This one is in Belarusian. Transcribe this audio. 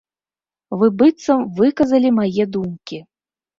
Вы быццам выказалі мае думкі.